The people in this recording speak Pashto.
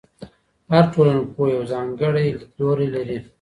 هر ټولنپوه یو ځانګړی لیدلوری لري.